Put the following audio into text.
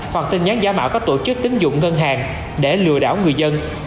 hoặc tin nhắn giả mạo các tổ chức tính dụng ngân hàng để lừa đảo người dân